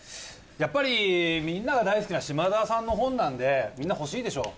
やっぱりみんなが大好きな島田さんの本なんでみんな欲しいでしょ。